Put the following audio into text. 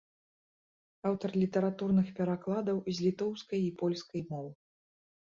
Аўтар літаратурных перакладаў з літоўскай і польскай моў.